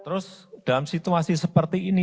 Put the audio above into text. terus dalam situasi seperti ini